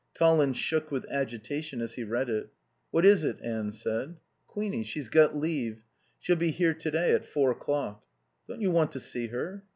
Colin shook with agitation as he read it. "What is it?" Anne said. "Queenie. She's got leave. She'll be here today. At four o'clock." "Don't you want to see her?"